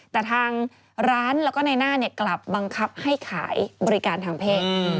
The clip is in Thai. แต่ทางร้านแล้วก็ในหน้ากลับบังคับให้ขายบริการทางเพศ